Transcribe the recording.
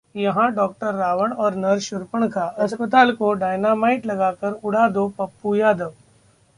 यहां डॉक्टर रावण और नर्स शूर्पणखा, अस्पताल को डायनामाइट लगाकर उड़ा दो: पप्पू यादव